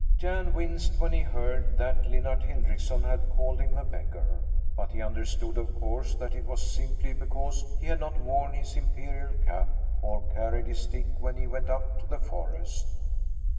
Jan winced when he heard that Linnart Hindrickson had called him a beggar. But he understood of course that it was simply because he had not worn his imperial cap or carried his stick when he went up to the forest.